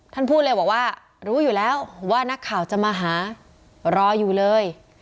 ท่านพูดเลยบอกว่ารู้อยู่แล้วว่านักข่าวจะมาหารออยู่เลย